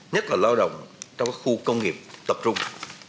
nhất là lao động trong các khu công nghiệp tập trung